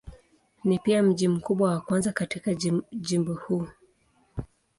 Ni pia mji mkubwa wa kwanza katika jimbo huu.